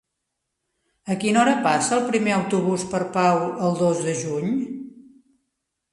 A quina hora passa el primer autobús per Pau el dos de juny?